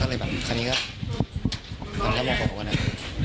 ก่อนในบางทีผมก็มีความเซ็คบอกกับเขา